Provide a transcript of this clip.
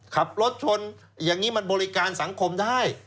ขับรถชนอย่างนี้มันบริการสังคมได้